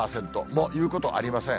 もう言うことありません。